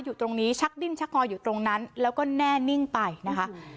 อยู่ตรงนี้ชักดิ้นชักงออยู่ตรงนั้นแล้วก็แน่นิ่งไปนะคะ